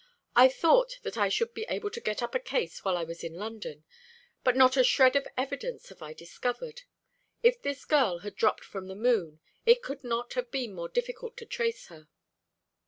"I thought that I should be able to get up a case while I was in London, but not a shred of evidence have I discovered. If this girl had dropped from the moon, it could not be more difficult to trace her."